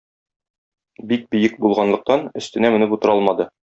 Бик биек булганлыктан, өстенә менеп утыра алмады.